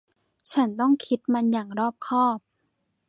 ฉันต้องคิดมันอย่างรอบคอบ